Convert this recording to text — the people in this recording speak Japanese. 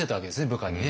部下にね。